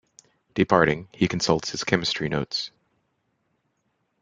Departing, he consults his chemistry notes.